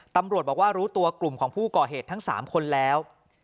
ตำรวจบอกว่ารู้ตัวกลุ่มของผู้ก่อเหตุทั้ง๓คนแล้ว